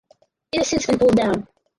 It has since been pulled down.